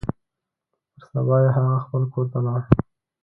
پر سبا يې هغه خپل کور ته ولاړ.